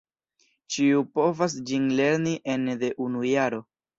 Ĉiu povas ĝin lerni ene de unu jaro.